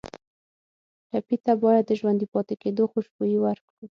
ټپي ته باید د ژوندي پاتې کېدو خوشبويي ورکړو.